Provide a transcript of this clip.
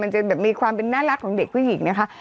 จะแบบมีความเป็นน่ารักของเด็กผู้หญิงนะคะ